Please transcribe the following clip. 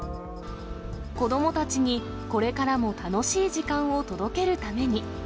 子どもたちにこれからも楽しい時間を届けるために。